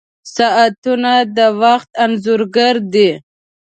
• ساعتونه د وخت انځور ګر دي.